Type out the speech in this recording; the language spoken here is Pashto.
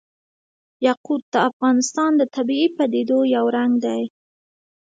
یاقوت د افغانستان د طبیعي پدیدو یو رنګ دی.